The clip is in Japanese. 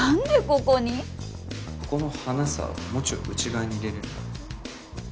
ここの花さもうちょい内側に入れれる？